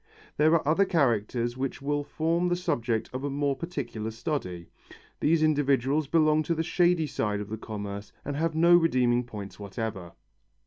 There are other characters which will form the subject of a more particular study. These individuals belong to the shady side of the commerce and have no redeeming points whatever.